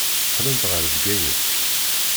Qqlent ɣer Bgayet.